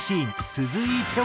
続いては。